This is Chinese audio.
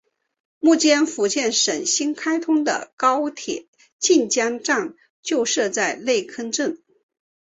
目前福建省新开通的高铁晋江站就设在内坑镇。